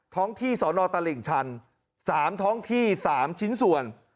ท้องที่สนตลิ่งชัน๓ท้องที่๓ชิ้นส่วน